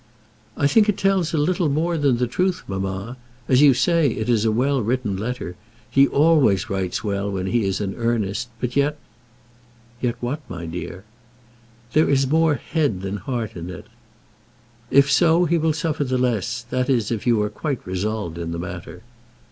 "I think it tells a little more than the truth, mamma. As you say, it is a well written letter. He always writes well when he is in earnest. But yet " "Yet what, my dear?" "There is more head than heart in it." "If so, he will suffer the less; that is, if you are quite resolved in the matter."